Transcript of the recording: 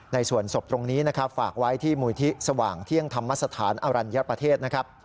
ในส่วนศพตรงนี้ฝากไว้ที่มูลทิศว่างเที่ยงธรรมสถานอรัญญาประเทศ